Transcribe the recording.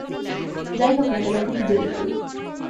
যাই হোক না কেন, ওকে খুঁজে বের করুন।